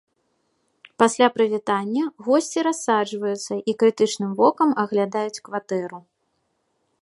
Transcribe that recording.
Пасля прывітання госці рассаджваюцца і крытычным вокам аглядаюць кватэру.